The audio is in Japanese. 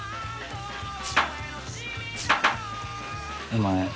お前